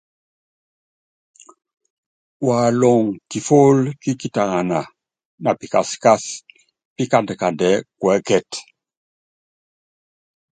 Walɔŋ kifól kí kitaŋana na pikaskás pikand kandɛɛ́ kuɛ́kɛt.